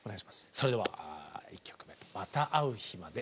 それでは１曲目「また逢う日まで」